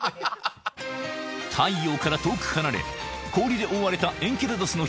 太陽から遠く離れ氷で覆われたエンケラドスの